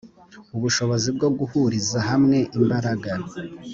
ubushobozi bwo guhuriza hamwe imbaraga